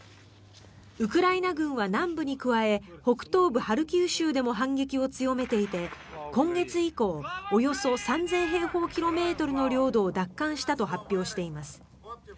ウクライナ軍は南部に加え北東部ハルキウ州でも反撃を強めていて今月以降、およそ３０００平方キロメートルの領土を奪還したと発表しています。